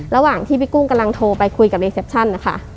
ระหว่างที่พี่กุ้งกำลังโทรไปคุยกับรีเซปชั่นนะคะ